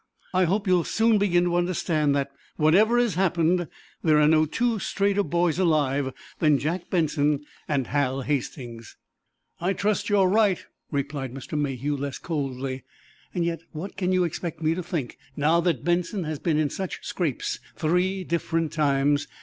"I hope you'll soon begin to understand that, whatever has happened, there are no two straighter boys alive than Jack Benson and Hal Hastings." "I trust you're right," replied Mr. Mayhew, less coldly. "Yet, what can you expect me to think, now that Benson has been in such scrapes three different times?